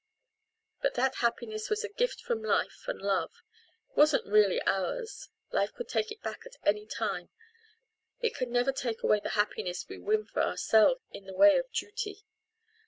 But that happiness was a gift from life and love; it wasn't really ours life could take it back at any time. It can never take away the happiness we win for ourselves in the way of duty.